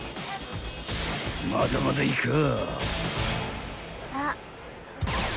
［まだまだいかぁ］